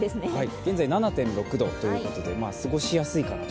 現在７．６度ということで、過ごしやすいかなと。